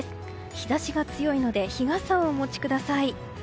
日差しが強いので日傘をお持ちください。